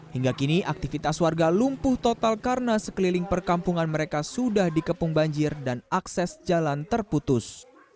hingga kini aktivitas warga lumpuh total karena sekeliling perkampungan mereka sudah dikepung banjir dan akses jalan terputus